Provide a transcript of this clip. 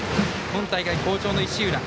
今大会、好調の石浦。